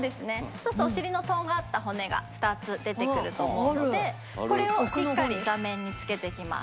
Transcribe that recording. そうするとお尻のとんがった骨が２つ出てくると思うのでこれをしっかり座面につけていきます。